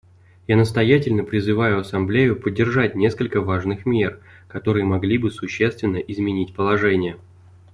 Я настоятельно призываю Ассамблею поддержать несколько важных мер, которые могли бы существенно изменить положение.